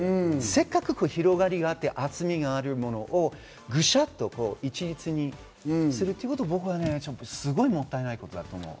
せっかく広がりがあって、厚みのあるものをグシャっと一律にするということはすごくもったいないと思う。